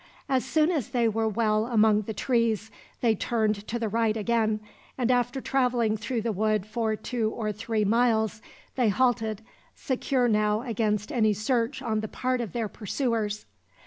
As soon as they were well among the trees, they turned to the right again, and after traveling through the wood for two or three miles they halted, secure now against any search on the part of their pursuers.